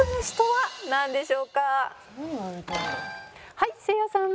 はいせいやさん。